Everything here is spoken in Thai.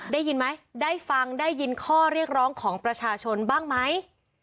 ได้ยินไหมได้ฟังได้ยินข้อเรียกร้องของประชาชนบ้างไหม